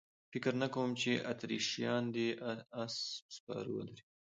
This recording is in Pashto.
فکر نه کوم چې اتریشیان دې اس سپاره ولري.